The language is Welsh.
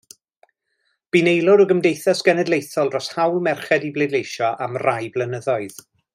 Bu'n aelod o Gymdeithas Genedlaethol dros Hawl Merched i Bleidleisio am rai blynyddoedd.